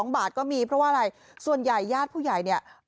๒บาทก็มีเพราะว่าอะไรส่วนใหญ่ญาติผู้ใหญ่เนี่ย